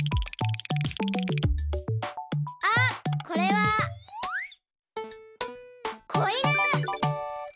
あっこれはこいぬ！